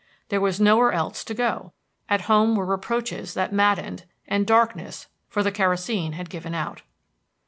There was nowhere else to go. At home were reproaches that maddened, and darkness, for the kerosene had given out.